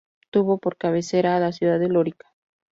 Tuvo por cabecera a la ciudad de Lorica.